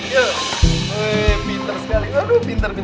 yeay pinter sekali aduh pinter pinter